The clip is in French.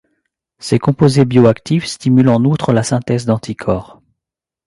Ces composés bioactifs stimulent en outre la synthèse d'anticorps.